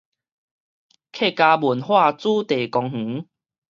客家文化主題公園